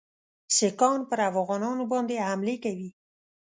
سیکهان پر افغانانو باندي حملې کوي.